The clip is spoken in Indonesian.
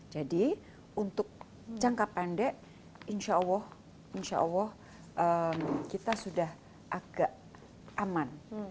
jadi untuk jangka pendek insya allah kita sudah agak aman